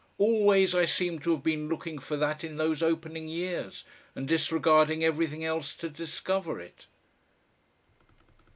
Always I seem to have been looking for that in those opening years, and disregarding everything else to discover it.